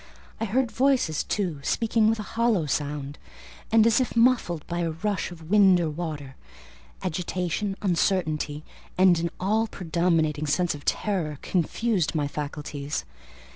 I heard voices, too, speaking with a hollow sound, and as if muffled by a rush of wind or water: agitation, uncertainty, and an all predominating sense of terror confused my faculties.